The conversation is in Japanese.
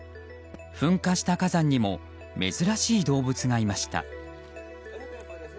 噴火した火山にも珍しい動物がいました。